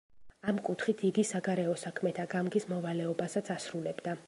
ამ კუთხით იგი საგარეო საქმეთა გამგის მოვალეობასაც ასრულებდა.